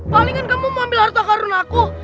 palingan kamu mau ambil harta karena aku